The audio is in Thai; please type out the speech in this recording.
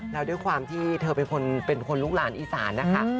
แล้วด้วยความที่เธอเป็นคนลูกหลานอีสานนะคะ